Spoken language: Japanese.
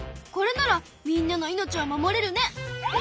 これならみんなの命を守れるね。